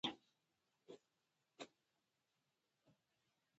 مېلمه ته وخت ورکول عبادت دی.